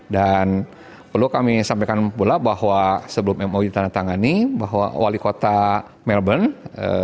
dan perlu kami sampaikan pula bahwa sebelum mou ditandatangani bahwa wali kota melbourne